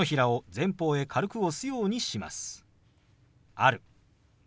「ある」。